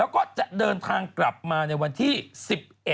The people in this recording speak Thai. ก็จะเดินทางกลับมาในวันที่๑๑มีนาคม